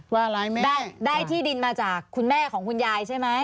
อะไรแม่ได้ที่ดินมาจากคุณแม่ของคุณยายใช่ไหม